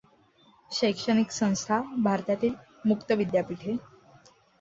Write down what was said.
शैक्षणिक संस्था भारतातील मुक्त विद्यापीठे.